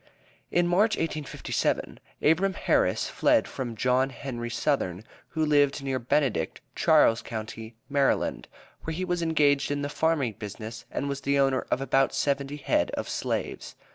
In March, 1857, Abram Harris fled from John Henry Suthern, who lived near Benedict, Charles county, Md., where he was engaged in the farming business, and was the owner of about seventy head of slaves.